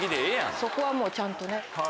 そこはもうちゃんとね。